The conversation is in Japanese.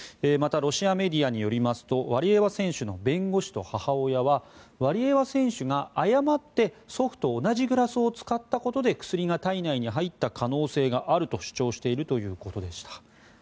また、ロシアメディアによりますとワリエワ選手の弁護士と母親はワリエワ選手が誤って祖父と同じグラスを使ったことで薬が体内に入った可能性があると主張しているということでした。